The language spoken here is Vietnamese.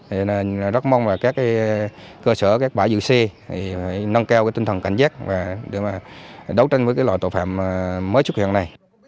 với vụ án này đề nghị các điểm giữ xe nâng cao cảnh giác để đề phòng loại đối tượng và hành vi thủ đoạn mới này